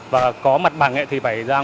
và có mặt bằng thì phải ra ngoài